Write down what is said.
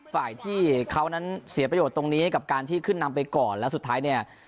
ฝ่ายที่เขานั้นเสียประโยชน์ตรงนี้กับการที่ขึ้นนำไปก่อนแล้วสุดท้ายเนี่ย